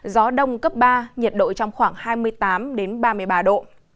gió đông cấp ba nhiệt độ trong khoảng hai mươi tám ba mươi ba độ